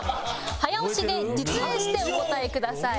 早押しで実演してお答えください。